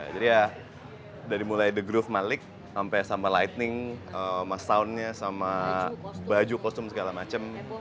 jadi ya dari mulai the groove malik sampai sama lightning sama soundnya sama baju kostum segala macam